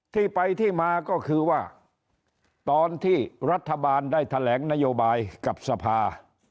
ที่ไปที่มาก็คือว่าตอนที่รัฐบาลได้แถลงนโยบายกับสภา